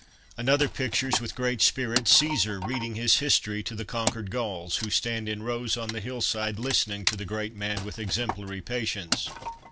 Another pictures, with great spirit, Caesar reading his history to the conquered Gauls, who stand in rows on the hillside listening to the great man with exemplary patience.